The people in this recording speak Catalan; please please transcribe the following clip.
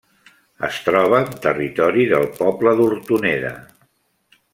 Es troba en territori del poble d'Hortoneda.